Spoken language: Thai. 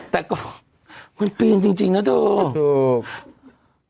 แต่ก็มันปีนจริงนะเถอะ